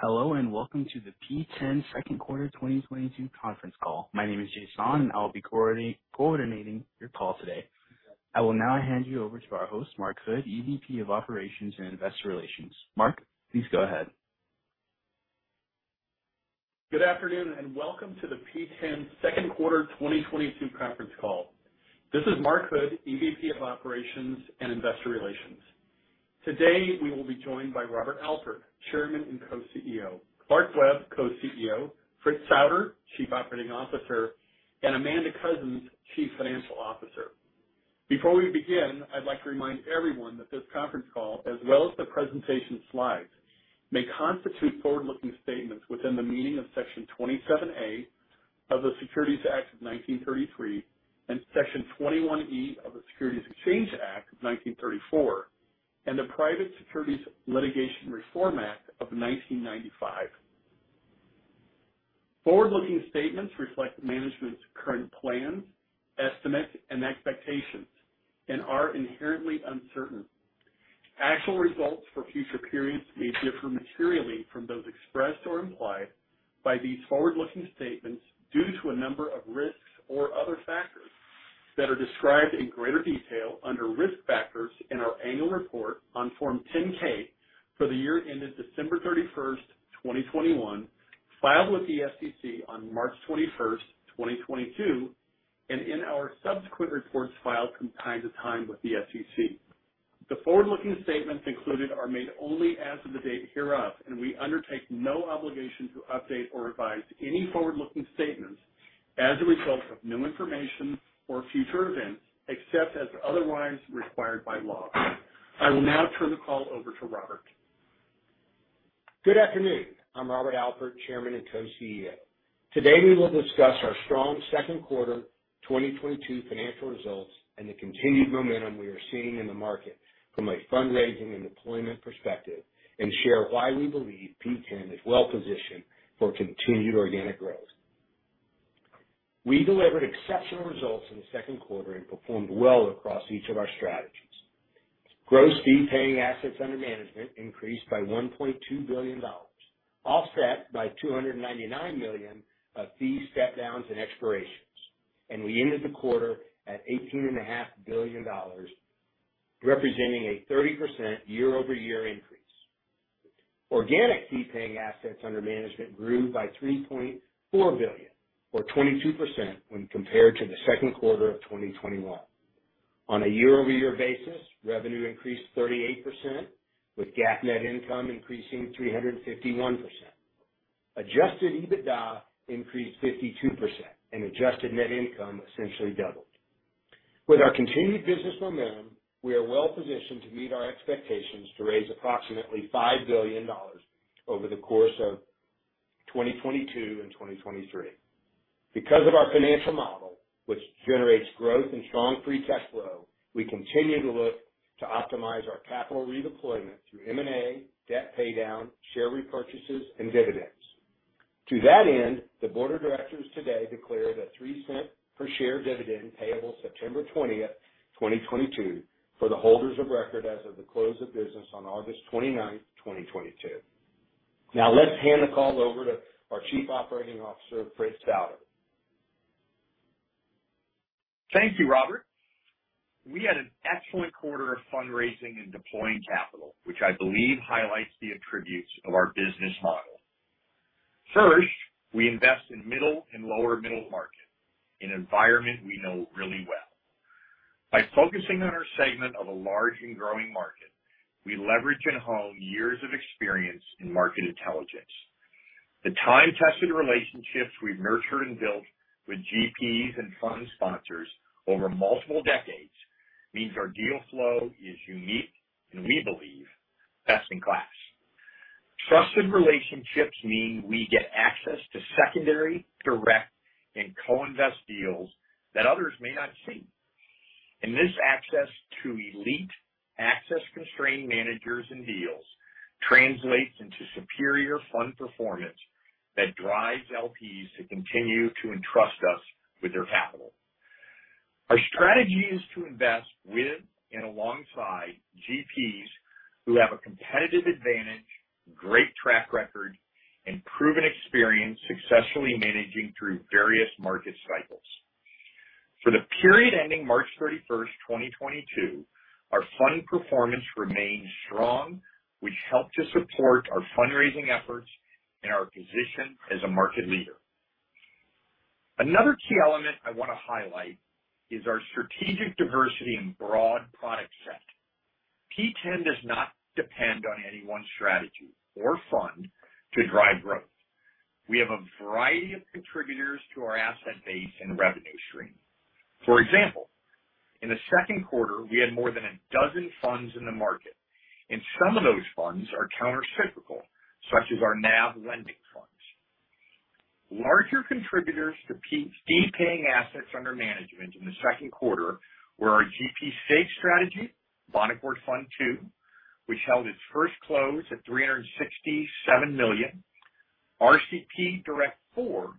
Hello, and welcome to the P10 Q2 2022 conference call. My name is Jason, and I'll be coordinating your call today. I will now hand you over to our host, Mark Hood, EVP of Operations and Investor Relations. Mark, please go ahead. Good afternoon, and welcome to the P10 Q2 2022 conference call. This is Mark Hood, EVP of Operations and Investor Relations. Today, we will be joined by Robert Alpert, Chairman and Co-CEO, Clark Webb, Co-CEO, Fritz Souder, Chief Operating Officer, and Amanda Coussens, Chief Financial Officer. Before we begin, I'd like to remind everyone that this conference call, as well as the presentation slides, may constitute forward-looking statements within the meaning of Section 27A of the Securities Act of 1933 and Section 21E of the Securities Exchange Act of 1934, and the Private Securities Litigation Reform Act of 1995. Forward-looking statements reflect management's current plans, estimates, and expectations and are inherently uncertain. Actual results for future periods may differ materially from those expressed or implied by these forward-looking statements due to a number of risks or other factors that are described in greater detail under Risk Factors in our annual report on Form 10-K for the year ended December 31, 2021, filed with the SEC on March 21, 2022, and in our subsequent reports filed from time to time with the SEC. The forward-looking statements included are made only as of the date hereof, and we undertake no obligation to update or revise any forward-looking statements as a result of new information or future events, except as otherwise required by law. I will now turn the call over to Robert. Good afternoon. I'm Robert Alpert, Chairman and Co-CEO. Today, we will discuss our strong Q2 2022 financial results and the continued momentum we are seeing in the market from a fundraising and deployment perspective, and share why we believe P10 is well positioned for continued organic growth. We delivered exceptional results in the Q2 and performed well across each of our strategies. Gross fee-paying assets under management increased by $1.2 billion, offset by $299 million of fees step-downs and expirations. We ended the quarter at $18.5 billion, representing a 30% year-over-year increase. Organic fee-paying assets under management grew by $3.4 billion, or 22%, when compared to the Q2 of 2021. On a year-over-year basis, revenue increased 38%, with GAAP net income increasing 351%. Adjusted EBITDA increased 52%, and adjusted net income essentially doubled. With our continued business momentum, we are well positioned to meet our expectations to raise approximately $5 billion over the course of 2022 and 2023. Because of our financial model, which generates growth and strong free cash flow, we continue to look to optimize our capital redeployment through M&A, debt paydown, share repurchases, and dividends. To that end, the board of directors today declared a $0.03 per share dividend payable September 20, 2022, for the holders of record as of the close of business on August 29, 2022. Now let's hand the call over to our Chief Operating Officer, Fritz Souder. Thank you, Robert. We had an excellent quarter of fundraising and deploying capital, which I believe highlights the attributes of our business model. First, we invest in middle and lower middle market, an environment we know really well. By focusing on our segment of a large and growing market, we leverage and hone years of experience in market intelligence. The time-tested relationships we've nurtured and built with GPs and fund sponsors over multiple decades means our deal flow is unique and, we believe, best in class. Trusted relationships mean we get access to secondary, direct, and co-invest deals that others may not see. This access to elite access-constrained managers and deals translates into superior fund performance that drives LPs to continue to entrust us with their capital. Our strategy is to invest with and alongside GPs who have a competitive advantage, great track record, and proven experience successfully managing through various market cycles. For the period ending March 31, 2022, our fund performance remained strong, which helped to support our fundraising efforts and our position as a market leader. Another key element I wanna highlight is our strategic diversity and broad product set. P10 does not depend on any one strategy or fund to drive growth. We have a variety of contributors to our asset base and revenue stream. For example, in the Q2, we had more than a dozen funds in the market, and some of those funds are countercyclical, such as our NAV lending funds. Larger contributors to fee-paying assets under management in the Q2 were our GP Stakes strategy, Bonaccord Fund II, which held its first close at $367 million. RCPDirect IV,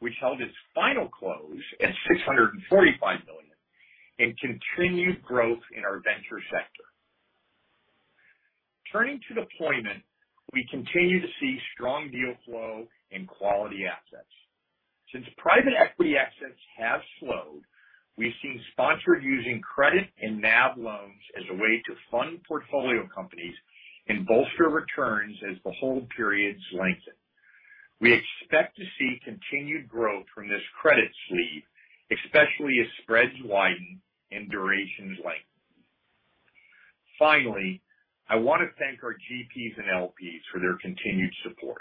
which held its final close at $645 million. Continued growth in our venture sector. Turning to deployment, we continue to see strong deal flow and quality assets. Since private equity assets have slowed, we've seen sponsors using credit and NAV loans as a way to fund portfolio companies and bolster returns as the hold periods lengthen. We expect to see continued growth from this credit sleeve, especially as spreads widen and durations lengthen. Finally, I want to thank our GPs and LPs for their continued support.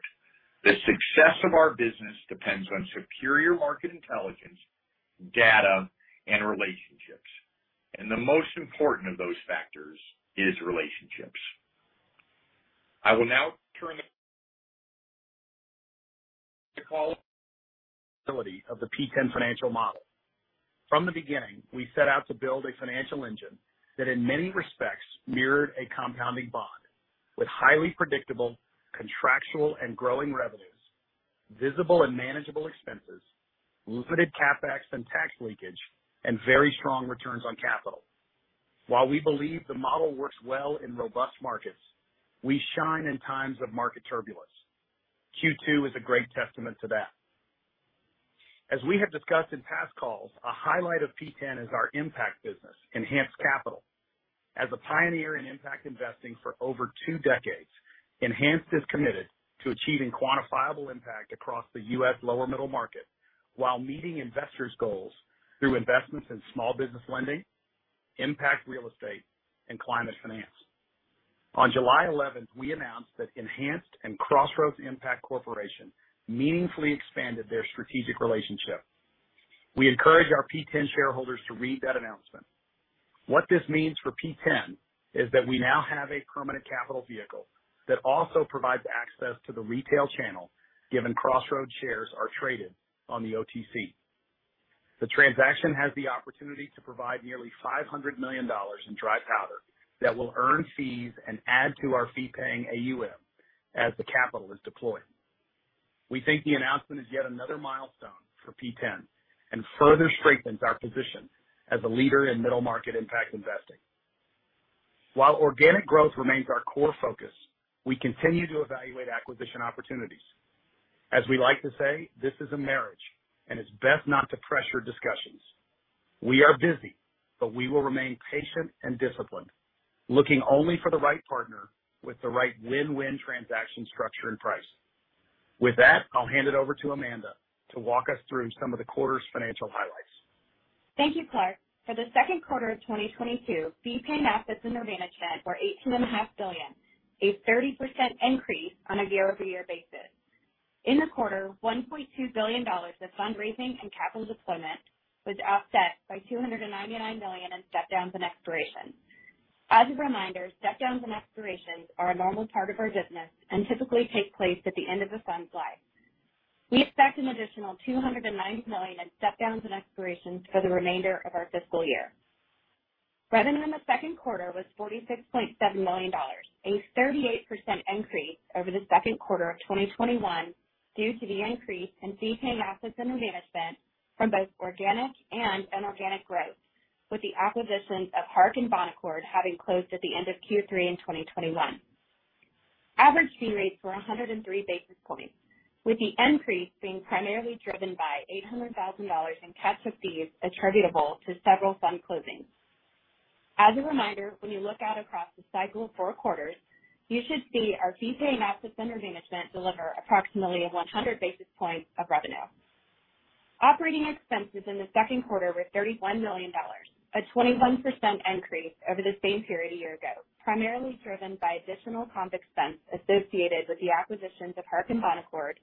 The success of our business depends on superior market intelligence, data, and relationships. The most important of those factors is relationships. I will now turn the call over to Clark. Ability of the P10 financial model. From the beginning, we set out to build a financial engine that in many respects mirrored a compounding bond with highly predictable contractual and growing revenues, visible and manageable expenses, limited CapEx and tax leakage, and very strong returns on capital. While we believe the model works well in robust markets, we shine in times of market turbulence. Q2 is a great testament to that. As we have discussed in past calls, a highlight of P10 is our impact business, Enhanced Capital. As a pioneer in impact investing for over two decades, Enhanced is committed to achieving quantifiable impact across the U.S. lower middle market while meeting investors' goals through investments in small business lending, impact real estate, and climate finance. On July 11th, we announced that Enhanced and Crossroads Impact Corporation meaningfully expanded their strategic relationship. We encourage our P10 shareholders to read that announcement. What this means for P10 is that we now have a permanent capital vehicle that also provides access to the retail channel, given Crossroads shares are traded on the OTC. The transaction has the opportunity to provide nearly $500 million in dry powder that will earn fees and add to our fee-paying AUM as the capital is deployed. We think the announcement is yet another milestone for P10 and further strengthens our position as a leader in middle market impact investing. While organic growth remains our core focus, we continue to evaluate acquisition opportunities. As we like to say, this is a marriage, and it's best not to pressure discussions. We are busy, but we will remain patient and disciplined, looking only for the right partner with the right win-win transaction structure and price. With that, I'll hand it over to Amanda to walk us through some of the quarter's financial highlights. Thank you, Clark. For the Q2 of 2022, fee-paying assets under management were $18.5 billion, a 30% increase on a year-over-year basis. In the quarter, $1.2 billion of fundraising and capital deployment was offset by $299 million in step downs and expirations. As a reminder, step downs and expirations are a normal part of our business and typically take place at the end of a fund's life. We expect an additional $290 million in step downs and expirations for the remainder of our fiscal year. Revenue in the Q2 was $46.7 million, a 38% increase over the Q2 of 2021 due to the increase in fee-paying assets under management from both organic and inorganic growth, with the acquisition of Hark and Bonaccord having closed at the end of Q3 in 2021. Average fee rates were 103 basis points, with the increase being primarily driven by $800,000 in catch-up fees attributable to several fund closings. As a reminder, when you look out across a cycle of four quarters, you should see our fee-paying assets under management deliver approximately 100 basis points of revenue. Operating expenses in the Q2 were $31 million, a 21% increase over the same period a year ago, primarily driven by additional comp expense associated with the acquisitions of Hark Capital and Bonaccord,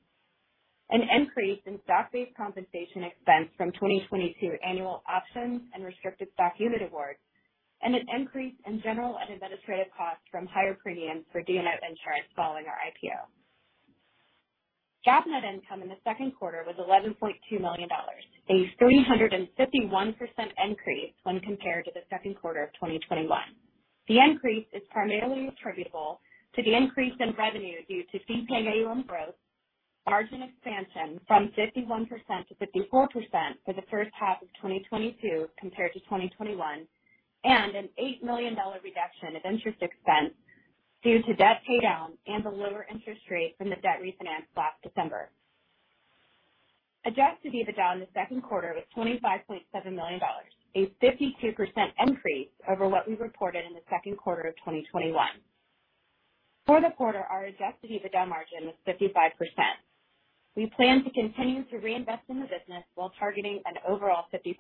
an increase in stock-based compensation expense from 2022 annual options and restricted stock unit awards, and an increase in general and administrative costs from higher premiums for D&O insurance following our IPO. GAAP net income in the Q2 was $11.2 million, a 351% increase when compared to the Q2 of 2021. The increase is primarily attributable to the increase in revenue due to fee-paying AUM growth, margin expansion from 51% to 54% for the first half of 2022 compared to 2021, and an $8 million reduction in interest expense due to debt pay down and the lower interest rate from the debt refinance last December. Adjusted EBITDA in the Q2 was $25.7 million, a 52% increase over what we reported in the Q2 of 2021. For the quarter, our adjusted EBITDA margin was 55%. We plan to continue to reinvest in the business while targeting an overall 55%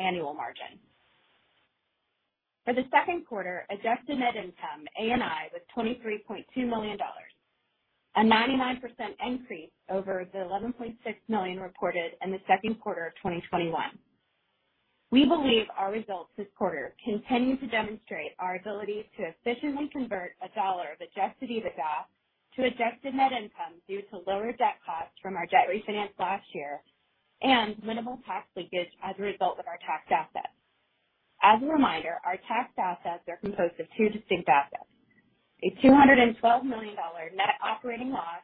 annual margin. For the Q2, adjusted net income, ANI, was $23.2 million, a 99% increase over the $11.6 million reported in the Q2 of 2021. We believe our results this quarter continue to demonstrate our ability to efficiently convert a dollar of Adjusted EBITDA to adjusted net income due to lower debt costs from our debt refinance last year and minimal tax leakage as a result of our tax assets. As a reminder, our tax assets are composed of two distinct assets. A $212 million net operating loss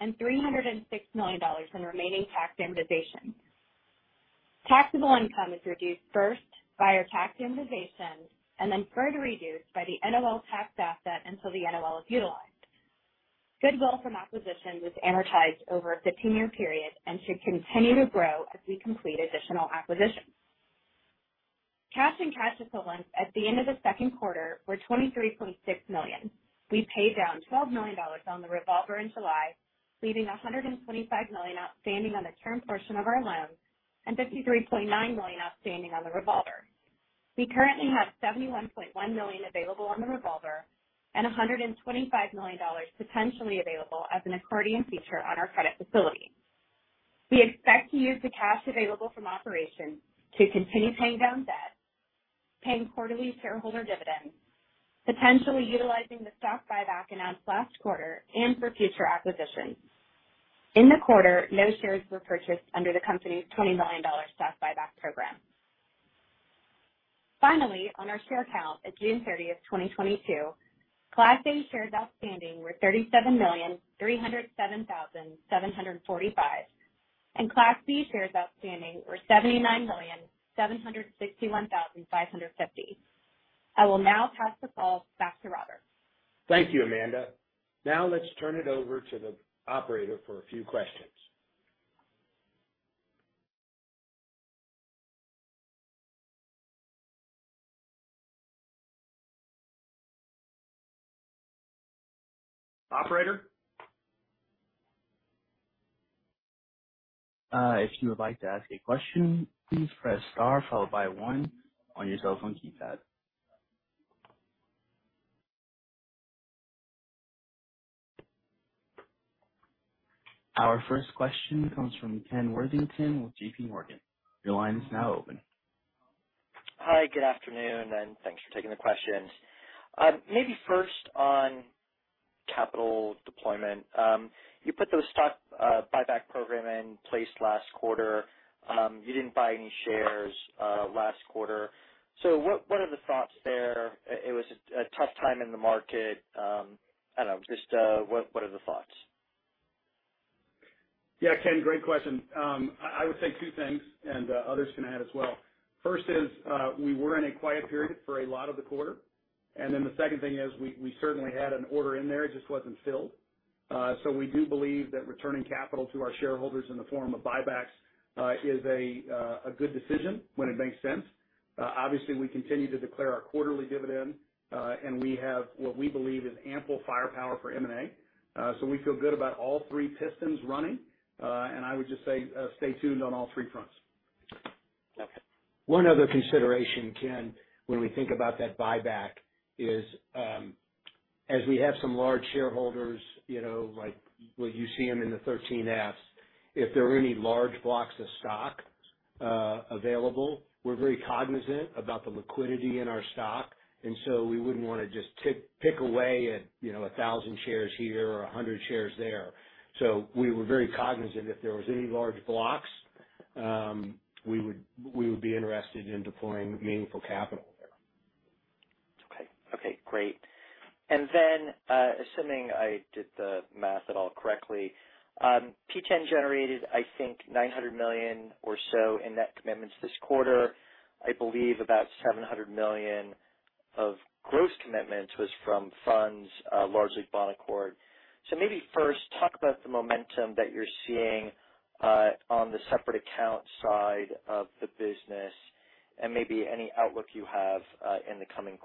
and $306 million in remaining tax amortization. Taxable income is reduced first by our tax amortization and then further reduced by the NOL tax asset until the NOL is utilized. Goodwill from acquisition was amortized over a 15-year period and should continue to grow as we complete additional acquisitions. Cash and cash equivalents at the end of the Q2 were $23.6 million. We paid down $12 million on the revolver in July, leaving $125 million outstanding on the term portion of our loans and $53.9 million outstanding on the revolver. We currently have $71.1 million available on the revolver and $125 million potentially available as an accordion feature on our credit facility. We expect to use the cash available from operations to continue paying down debt, paying quarterly shareholder dividends, potentially utilizing the stock buyback announced last quarter and for future acquisitions. In the quarter, no shares were purchased under the company's $20 million stock buyback program. Finally, on our share count at June 30, 2022, Class A shares outstanding were 37,307,745, and Class B shares outstanding were 79,761,550. I will now pass the call back to Robert. Thank you, Amanda. Now let's turn it over to the operator for a few questions. Operator? If you would like to ask a question, please press * followed by 1 on your cell phone keypad. Our first question comes from Ken Worthington with JPMorgan. Your line is now open. Hi, good afternoon, and thanks for taking the questions. Maybe first on capital deployment. You put those stock buyback program in place last quarter. You didn't buy any shares last quarter. What are the thoughts there? It was a tough time in the market. I don't know, just what are the thoughts? Yeah, Ken, great question. I would say two things and others can add as well. First is we were in a quiet period for a lot of the quarter. The second thing is we certainly had an order in there, it just wasn't filled. We do believe that returning capital to our shareholders in the form of buybacks is a good decision when it makes sense. Obviously we continue to declare our quarterly dividend and we have what we believe is ample firepower for M&A. We feel good about all three pistons running. I would just say stay tuned on all three fronts. Okay. One other consideration, Ken, when we think about that buyback is, as we have some large shareholders, you know, like, when you see them in the 13Fs, if there are any large blocks of stock available, we're very cognizant about the liquidity in our stock, and so we wouldn't wanna just pick away at, you know, a 1,000 shares here or a 100 shares there. We were very cognizant if there was any large blocks, we would be interested in deploying meaningful capital there. Okay, great. Assuming I did the math correctly, P10 generated, I think, $900 million or so in net commitments this quarter. I believe about $700 million of gross commitments was from funds, largely Bonaccord. Maybe first, talk about the momentum that you're seeing on the separate account side of the business and maybe any outlook you have in the coming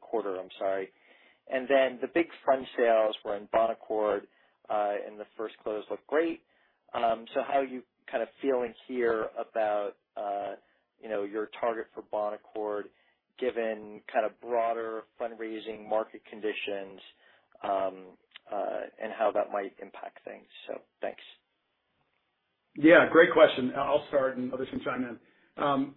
quarter, I'm sorry. The big fund sales were in Bonaccord, and the first close looked great. How are you kind of feeling here about, you know, your target for Bonaccord, given kind of broader fundraising market conditions, and how that might impact things? Thanks. Yeah, great question. I'll start and others can chime in.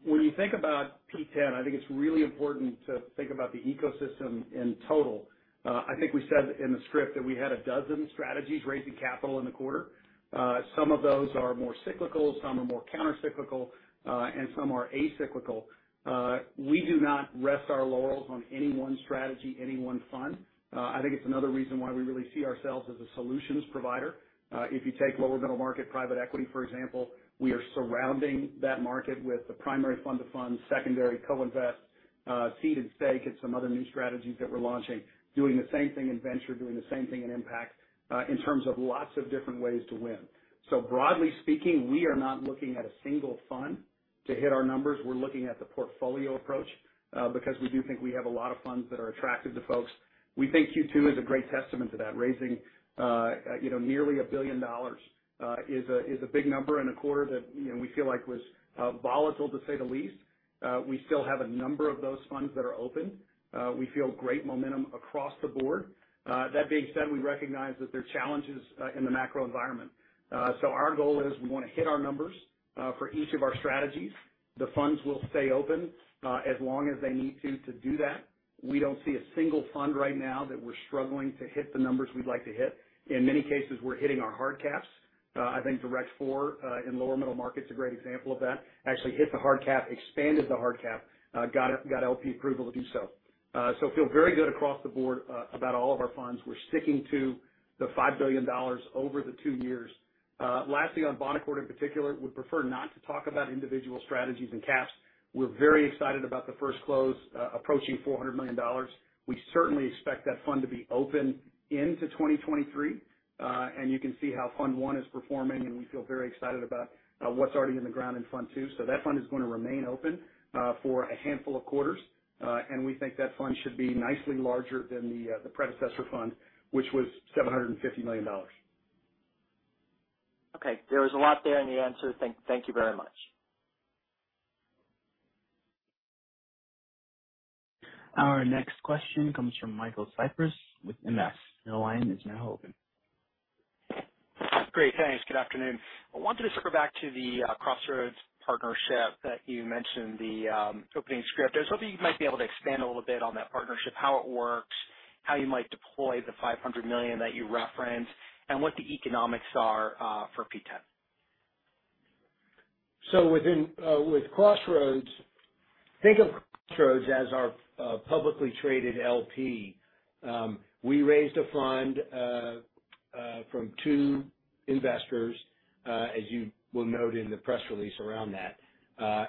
When you think about P10, I think it's really important to think about the ecosystem in total. I think we said in the script that we had a dozen strategies raising capital in the quarter. Some of those are more cyclical, some are more countercyclical, and some are acyclical. We do not rest our laurels on any one strategy, any one fund. I think it's another reason why we really see ourselves as a solutions provider. If you take lower middle market private equity, for example, we are surrounding that market with the primary fund to fund, secondary co-invest, seed and stake and some other new strategies that we're launching. Doing the same thing in venture, doing the same thing in impact, in terms of lots of different ways to win. Broadly speaking, we are not looking at a single fund to hit our numbers. We're looking at the portfolio approach, because we do think we have a lot of funds that are attractive to folks. We think Q2 is a great testament to that. Raising, you know, nearly $1 billion is a big number in a quarter that, you know, we feel like was volatile to say the least. We still have a number of those funds that are open. We feel great momentum across the board. That being said, we recognize that there are challenges in the macro environment. Our goal is we wanna hit our numbers for each of our strategies. The funds will stay open as long as they need to to do that. We don't see a single fund right now that we're struggling to hit the numbers we'd like to hit. In many cases, we're hitting our hard caps. I think RCPDirect IV in lower middle market is a great example of that. Actually hit the hard cap, expanded the hard cap, got LP approval to do so. So feel very good across the board about all of our funds. We're sticking to the $5 billion over the two years. Lastly, on Bonaccord in particular, we prefer not to talk about individual strategies and caps. We're very excited about the first close, approaching $400 million. We certainly expect that fund to be open into 2023. You can see how Fund I is performing, and we feel very excited about what's already in the ground in Fund II. That fund is gonna remain open for a handful of quarters. We think that fund should be nicely larger than the predecessor fund, which was $750 million. Okay. There was a lot there in the answer. Thank you very much. Our next question comes from Michael Cyprys with MS. Your line is now open. Great. Thanks. Good afternoon. I wanted to circle back to the Crossroads partnership that you mentioned in the opening script. I was hoping you might be able to expand a little bit on that partnership, how it works, how you might deploy the $500 million that you referenced, and what the economics are for P10. With Crossroads, think of Crossroads as our publicly traded LP. We raised a fund from two investors, as you will note in the press release around that,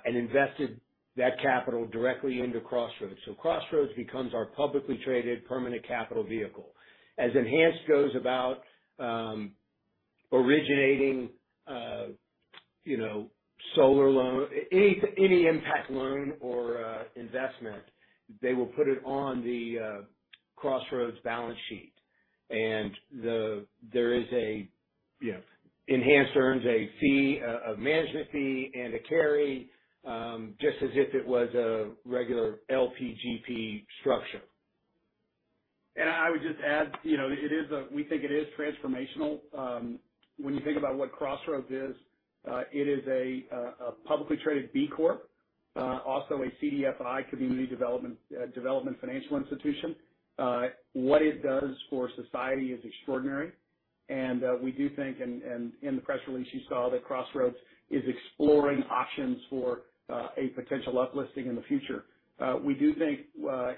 and invested that capital directly into Crossroads. Crossroads becomes our publicly traded permanent capital vehicle. As Enhanced goes about originating, you know, solar loan, any impact loan or investment, they will put it on the Crossroads balance sheet. There is a, you know, Enhanced earns a fee, a management fee and a carry, just as if it was a regular LP GP structure. I would just add, you know, it is transformational. We think it is transformational. When you think about what Crossroads is, it is a publicly traded B Corp, also a CDFI, Community Development Financial Institution. What it does for society is extraordinary. We do think, and in the press release you saw that Crossroads is exploring options for a potential uplisting in the future. We do think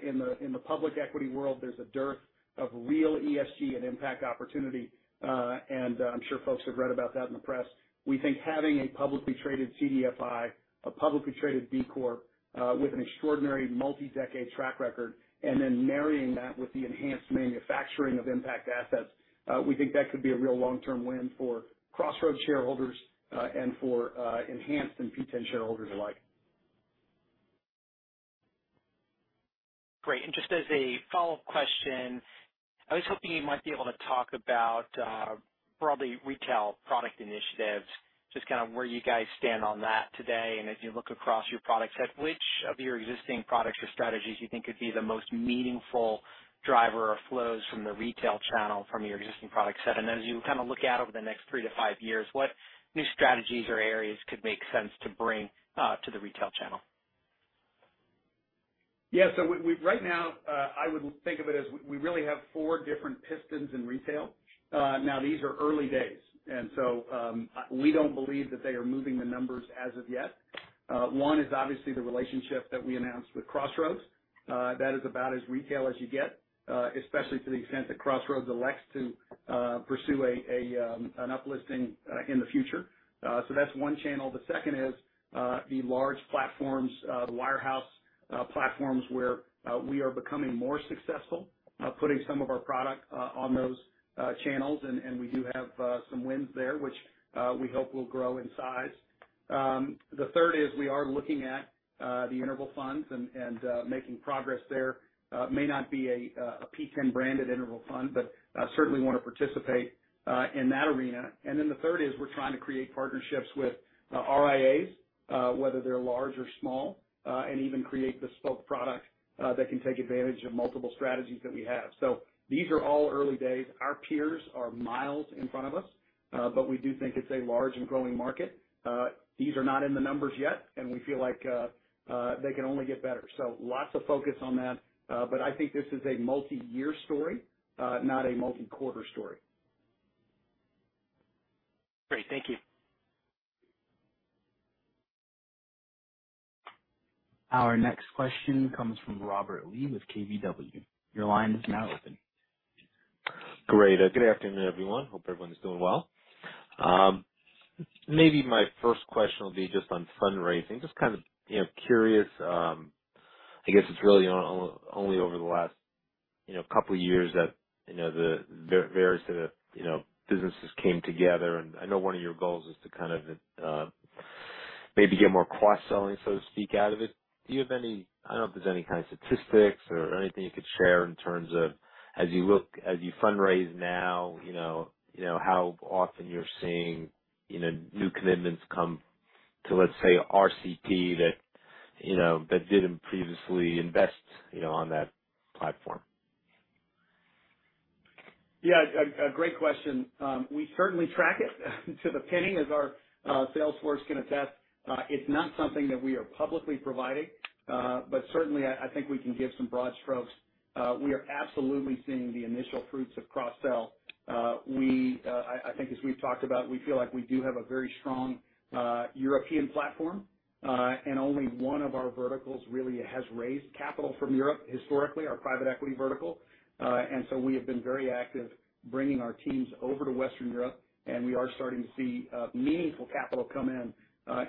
in the public equity world, there's a dearth of real ESG and impact opportunity. I'm sure folks have read about that in the press. We think having a publicly traded CDFI, a publicly traded B Corp, with an extraordinary multi-decade track record, and then marrying that with the enhanced management of impact assets, we think that could be a real long-term win for Crossroads shareholders, and for Enhanced and P10 shareholders alike. Great. Just as a follow-up question, I was hoping you might be able to talk about, broadly retail product initiatives, just kind of where you guys stand on that today. As you look across your product set, which of your existing products or strategies you think could be the most meaningful driver of flows from the retail channel from your existing product set? As you kind of look out over the next three to five years, what new strategies or areas could make sense to bring to the retail channel? Right now, I would think of it as we really have four different pistons in retail. These are early days, and we don't believe that they are moving the numbers as of yet. One is obviously the relationship that we announced with Crossroads. That is about as retail as you get, especially to the extent that Crossroads elects to pursue an uplisting in the future. That's one channel. The second is the large platforms, the wirehouse platforms where we are becoming more successful putting some of our product on those channels. We do have some wins there, which we hope will grow in size. The third is we are looking at the interval funds and making progress there. May not be a P10-branded interval fund, but certainly want to participate in that arena. The third is we're trying to create partnerships with RIAs, whether they're large or small, and even create the spoke product that can take advantage of multiple strategies that we have. These are all early days. Our peers are miles in front of us, but we do think it's a large and growing market. These are not in the numbers yet, and we feel like they can only get better. Lots of focus on that. I think this is a multiyear story, not a multi-quarter story. Great. Thank you. Our next question comes from Robert Lee with KBW. Your line is now open. Great. Good afternoon, everyone. Hope everyone is doing well. Maybe my first question will be just on fundraising. Just kind of, you know, curious. I guess it's really only over the last, you know, couple years that, you know, the various, sort of, you know, businesses came together. I know one of your goals is to kind of, maybe get more cross-selling, so to speak, out of it. Do you have any? I don't know if there's any kind of statistics or anything you could share in terms of as you look, as you fundraise now, you know, how often you're seeing, you know, new commitments come to, let's say, RCP that, you know, that didn't previously invest, you know, on that platform. Yeah. A great question. We certainly track it to the penny, as our sales force can attest. It's not something that we are publicly providing, but certainly I think we can give some broad strokes. We are absolutely seeing the initial fruits of cross-sell. We think as we've talked about, we feel like we do have a very strong European platform. Only one of our verticals really has raised capital from Europe historically, our private equity vertical. We have been very active bringing our teams over to Western Europe, and we are starting to see meaningful capital come in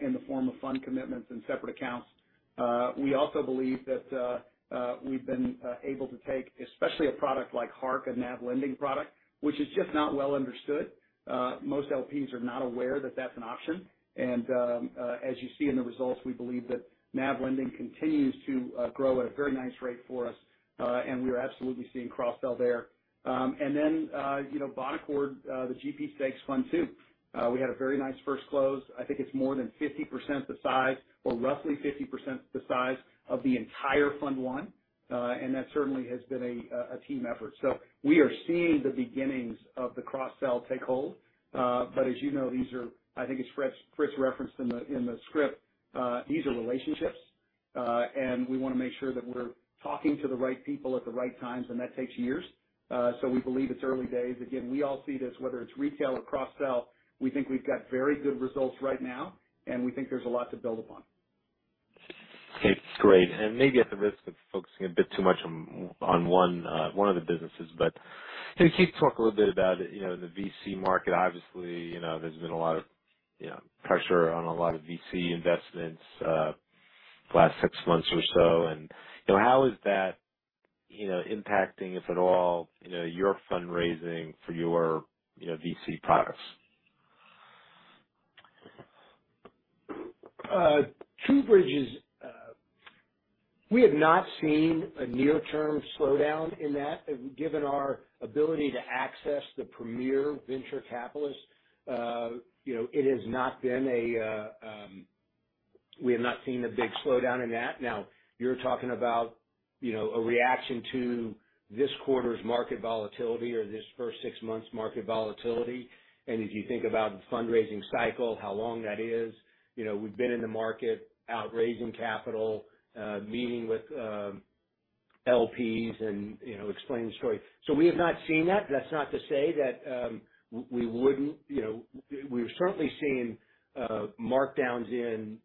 in the form of fund commitments and separate accounts. We also believe that we've been able to take especially a product like Hark and NAV lending product, which is just not well understood. Most LPs are not aware that that's an option. As you see in the results, we believe that NAV lending continues to grow at a very nice rate for us. We are absolutely seeing cross-sell there. You know, Bonaccord, the GP stakes fund too. We had a very nice first close. I think it's more than 50% the size or roughly 50% the size of the entire Fund I. That certainly has been a team effort. We are seeing the beginnings of the cross-sell take hold. But as you know, these are, I think as Fritz referenced in the script, these are relationships. We wanna make sure that we're talking to the right people at the right times, and that takes years. We believe it's early days. Again, we all see this, whether it's retail or cross sell. We think we've got very good results right now, and we think there's a lot to build upon. Okay, great. Maybe at the risk of focusing a bit too much on one of the businesses, but can you talk a little bit about, you know, the VC market? Obviously, you know, there's been a lot of, you know, pressure on a lot of VC investments last six months or so. How is that, you know, impacting, if at all, you know, your fundraising for your, you know, VC products? TrueBridge is, we have not seen a near-term slowdown in that, given our ability to access the premier venture capitalists. You know, it has not been a. We have not seen a big slowdown in that. Now, you're talking about, you know, a reaction to this quarter's market volatility or this first six months market volatility. If you think about the fundraising cycle, how long that is, you know, we've been in the market out raising capital, meeting with LPs and, you know, explaining the story. We have not seen that. That's not to say that we wouldn't. You know, we've certainly seen markdowns in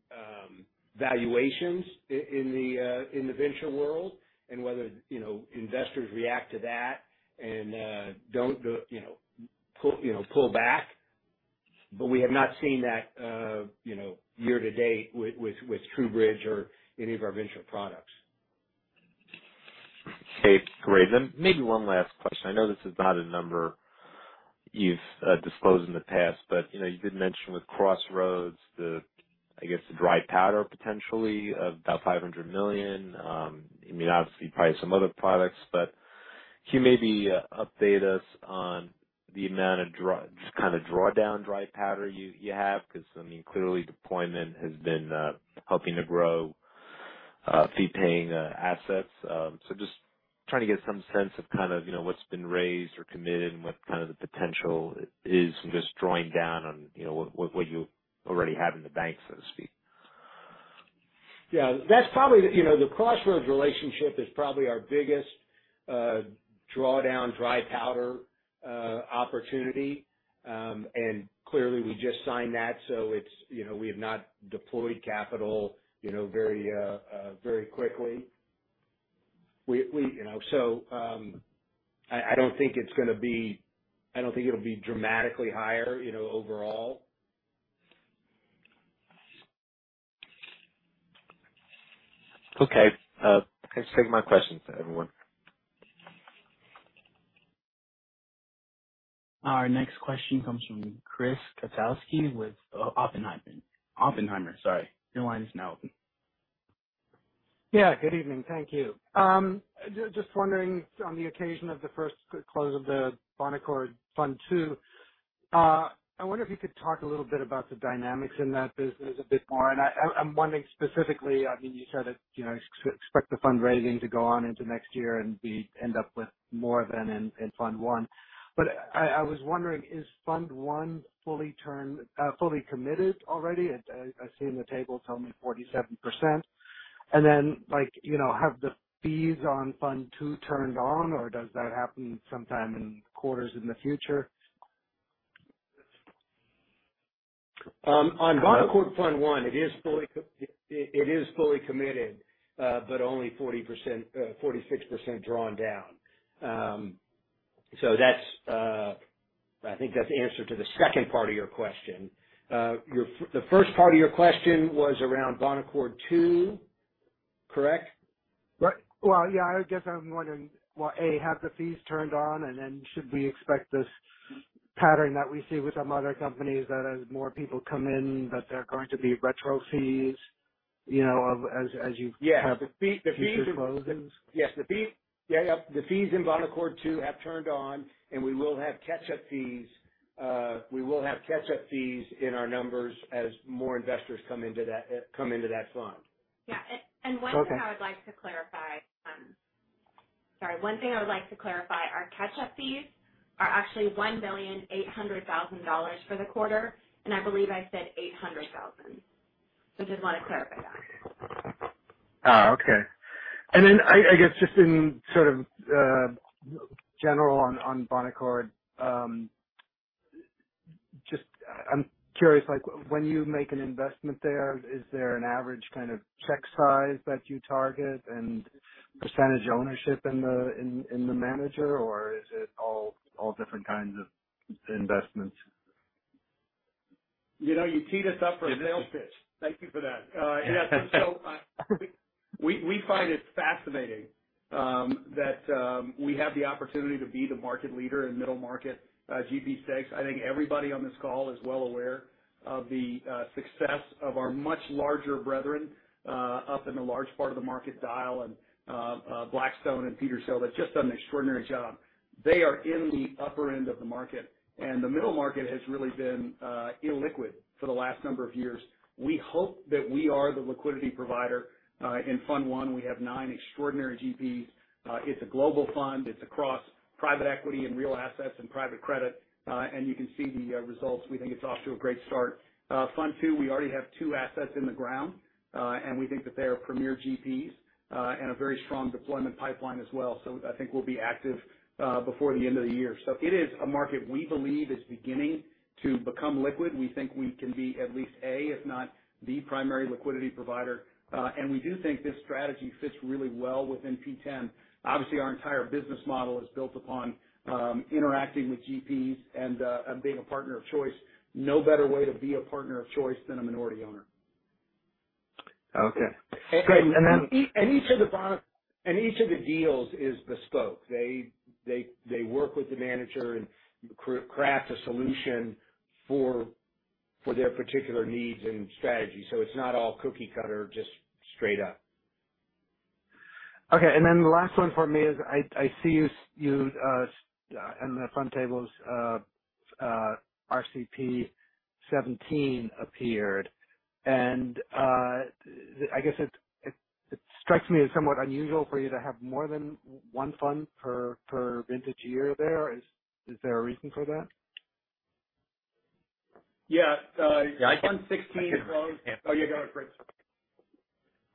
valuations in the venture world and whether, you know, investors react to that and don't go, you know, pull back. We have not seen that, you know, year to date with TrueBridge or any of our venture products. Okay, great. Maybe one last question. I know this is not a number you've disclosed in the past, but, you know, you did mention with Crossroads the, I guess, the dry powder potentially of about $500 million, I mean, obviously probably some other products. Can you maybe update us on the amount of drawdown dry powder you have? Because, I mean, clearly deployment has been helping to grow fee-paying assets. Just trying to get some sense of kind of, you know, what's been raised or committed and what kind of the potential is just drawing down on, you know, what you already have in the bank, so to speak. Yeah, that's probably. You know, the Crossroads relationship is probably our biggest drawdown dry powder opportunity. Clearly we just signed that. It's, you know, we have not deployed capital, you know, very quickly. You know, I don't think it'll be dramatically higher, you know, overall. Okay. That's it for my questions, everyone. Our next question comes from Chris Kotowski with Oppenheimer. Sorry. Your line is now open. Yeah, good evening. Thank you. Just wondering, on the occasion of the first close of the Bonaccord Fund II, I wonder if you could talk a little bit about the dynamics in that business a bit more. I'm wondering specifically, I mean, you said it, you know, expect the fundraising to go on into next year and end up with more than in Fund I. I was wondering, is Fund I fully committed already? I see in the table it's only 47%. Then, like, you know, have the fees on Fund II turned on, or does that happen sometime in future quarters? On Bonaccord Fund I, it is fully committed, but only 40%, 46% drawn down. That's, I think that's the answer to the second part of your question. The first part of your question was around Bonaccord Fund II, correct? Right. Well, yeah, I guess I'm wondering, well, A, have the fees turned on? And then should we expect this pattern that we see with some other companies, that as more people come in, that there are going to be retro fees, you know, as you- Yeah. Have future closes? The fees in Bonaccord II have turned on and we will have catch-up fees in our numbers as more investors come into that fund. Yeah. One thing. Okay. Sorry, one thing I would like to clarify, our catch-up fees are actually $1.8 million for the quarter, and I believe I said $800,000. Just wanna clarify that. I guess just in sort of general on Bonaccord, just I'm curious, like when you make an investment there, is there an average kind of check size that you target and percentage ownership in the manager, or is it all different kinds of investments? You know, you teed us up for a sales pitch. Thank you for that. Yeah, we find it fascinating that we have the opportunity to be the market leader in middle market GP stakes. I think everybody on this call is well aware of the success of our much larger brethren up in the large end of the market and Blackstone and Petershill that's just done an extraordinary job. They are in the upper end of the market, and the middle market has really been illiquid for the last number of years. We hope that we are the liquidity provider. In Fund I, we have nine extraordinary GPs. It's a global fund. It's across private equity and real assets and private credit. You can see the results. We think it's off to a great start. Fund II, we already have two assets in the ground, and we think that they are premier GPs, and a very strong deployment pipeline as well. I think we'll be active before the end of the year. It is a market we believe is beginning to become liquid. We think we can be at least a, if not the primary liquidity provider. We do think this strategy fits really well within P10. Obviously, our entire business model is built upon interacting with GPs and being a partner of choice. No better way to be a partner of choice than a minority owner. Okay. Each of the deals is bespoke. They work with the manager and craft a solution for their particular needs and strategy. It's not all cookie cutter, just straight up. Okay. The last one for me is I see in the fund tables RCP XVII appeared. I guess it strikes me as somewhat unusual for you to have more than one fund per vintage year there. Is there a reason for that? Yeah. Yeah, I can. Fund XVI closed. Oh, you got it,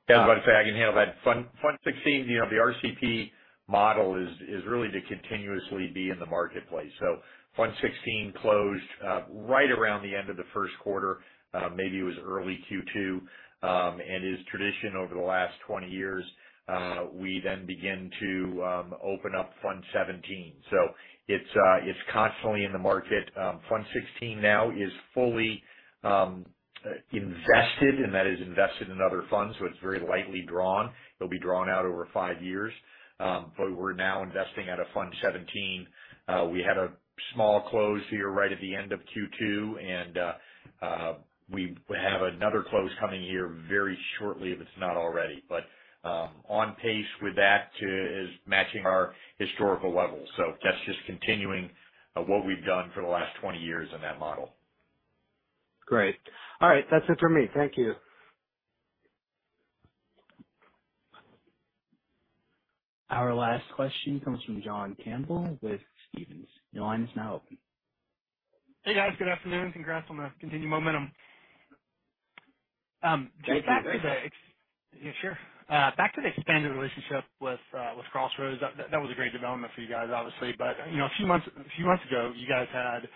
Fritz. Yeah. If I can handle that. Fund XVI, the RCP model is really to continuously be in the marketplace. Fund XVI closed right around the end of the Q1. Maybe it was early Q2. It's tradition over the last 20 years, we then begin to open up Fund XVII. It's constantly in the market. Fund XVI now is fully invested, and that is invested in other funds, so it's very lightly drawn. It'll be drawn out over 5 years. We're now investing out of Fund XVII. We had a small close here right at the end of Q2, and we have another close coming here very shortly, if it's not already. On pace with that too is matching our historical levels. That's just continuing what we've done for the last 20 years in that model. Great. All right. That's it for me. Thank you. Our last question comes from John Campbell with Stephens. Your line is now open. Hey, guys. Good afternoon. Congrats on the continued momentum. Thank you. Just back to the ex- Yeah, sure. Back to the expanded relationship with Crossroads. That was a great development for you guys, obviously, but you know, a few months ago, you guys had,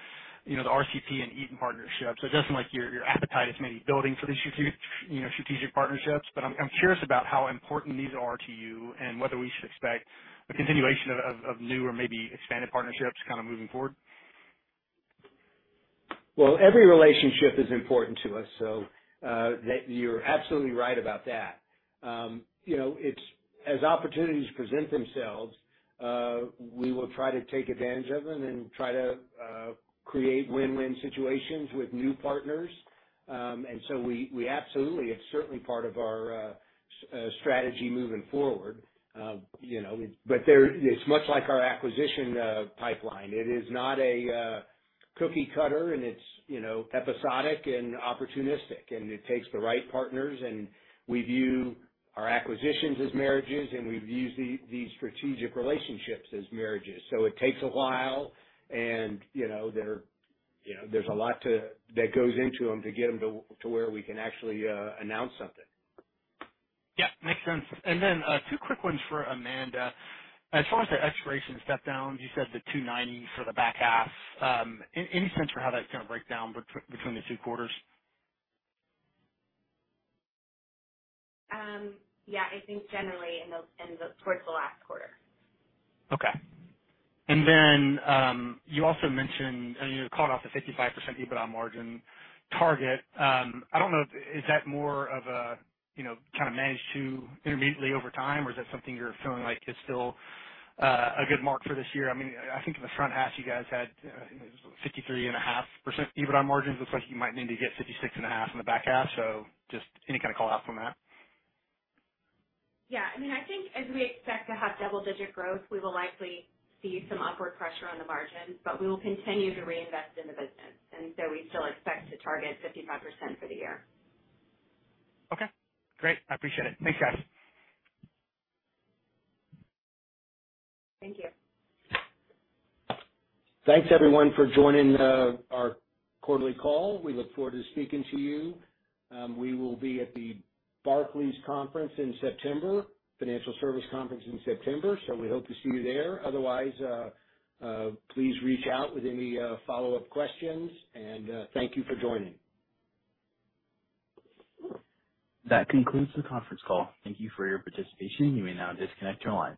you know, the RCP and Eaton partnership. It seems like your appetite is maybe building for these strategic partnerships. I'm curious about how important these are to you and whether we should expect a continuation of new or maybe expanded partnerships kind of moving forward. Well, every relationship is important to us, so you're absolutely right about that. You know, as opportunities present themselves, we will try to take advantage of them and try to create win-win situations with new partners. And so we absolutely, it's certainly part of our strategy moving forward. You know, but it's much like our acquisition pipeline. It is not a cookie cutter and it's episodic and opportunistic, and it takes the right partners, and we view our acquisitions as marriages, and we view the strategic relationships as marriages. It takes a while and you know, there's a lot that goes into them to get them to where we can actually announce something. Yeah, makes sense. Two quick ones for Amanda. As far as the expiration step-downs, you said the $290 for the back half. Any sense for how that's gonna break down between the two quarters? Yeah, I think generally in the towards the last quarter. Okay. You also mentioned, and you called off the 55% EBITDA margin target. I don't know, is that more of a, you know, kind of manage to immediately over time, or is that something you're feeling like is still a good mark for this year? I mean, I think in the front half you guys had 53.5% EBITDA margins. Looks like you might need to get 56.5% in the back half. Just any kind of call out on that? Yeah, I mean, I think as we expect to have double-digit growth, we will likely see some upward pressure on the margin, but we will continue to reinvest in the business, and so we still expect to target 55% for the year. Okay, great. I appreciate it. Thanks, guys. Thank you. Thanks everyone for joining our quarterly call. We look forward to speaking to you. We will be at the Barclays Financial Services Conference in September. We hope to see you there. Otherwise, please reach out with any follow-up questions. Thank you for joining. That concludes the conference call. Thank you for your participation. You may now disconnect your lines.